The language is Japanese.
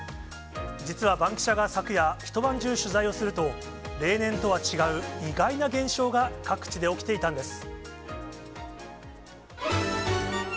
実はバンキシャが昨夜、一晩中取材をすると、例年とは違う意外な現象が各地で起きていたんです。